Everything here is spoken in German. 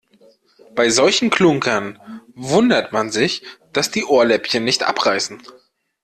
Bei solchen Klunkern wundert man sich, dass die Ohrläppchen nicht abreißen.